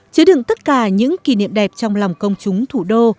chứa đựng tất cả những kỷ niệm đẹp trong lòng công chúng thủ đô